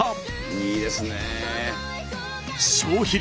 いいですね！